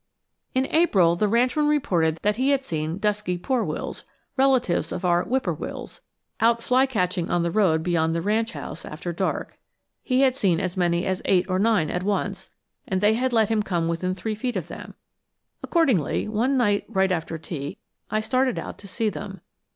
In April the ranchman reported that he had seen dusky poor wills, relatives of our whip poor wills, out flycatching on the road beyond the ranch house after dark. He had seen as many as eight or nine at once, and they had let him come within three feet of them. Accordingly, one night right after tea I started out to see them.